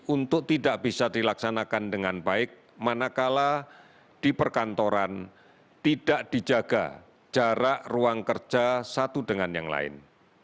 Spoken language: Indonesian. untuk tidak bisa dilaksanakan dengan baik manakala di perkantoran tidak dijaga jarak ruang kerja satu dengan yang lain